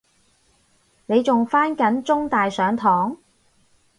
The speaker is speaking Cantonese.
你仲返緊中大上堂？